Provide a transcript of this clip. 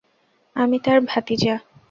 আমি তার ভাতিজা!